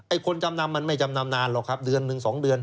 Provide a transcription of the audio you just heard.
คนจำนำมันไม่จำนำนานหรอกครับเดือนหนึ่งสองเดือน